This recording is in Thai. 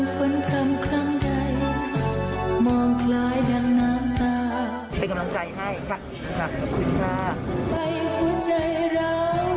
เป็นกำลังใจให้ค่ะขอบคุณค่ะ